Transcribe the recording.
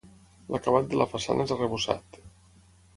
L'acabat de la façana és arrebossat.